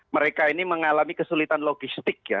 mereka ini mengalami kesulitan logistik ya